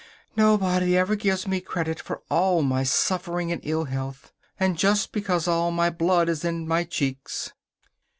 "Nobody ever gives me credit for all my suffering and ill health. And just because all my blood is in my cheeks."